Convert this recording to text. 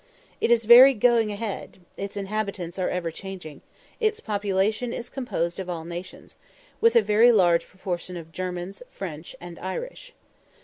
It is very "going ahead;" its inhabitants are ever changing; its population is composed of all nations, with a very large proportion of Germans, French, and Irish.